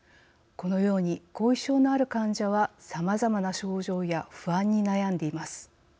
このように後遺症のある患者はさまざまな症状や不安に悩んでいます。